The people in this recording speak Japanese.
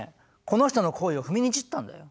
この人の厚意を踏みにじったんだよ。